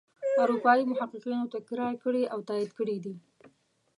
اروپايي محققینو تکرار کړي او تایید کړي دي.